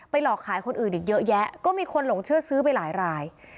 หลอกขายคนอื่นอีกเยอะแยะก็มีคนหลงเชื่อซื้อไปหลายราย